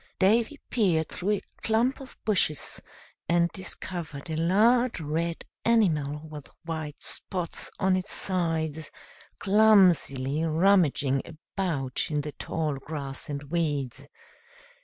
Davy peered through a clump of bushes, and discovered a large red animal, with white spots on its sides, clumsily rummaging about in the tall grass and weeds.